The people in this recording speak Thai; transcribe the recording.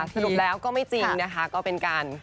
สรุปแล้วก็ไม่จริงนะคะก็เป็นการ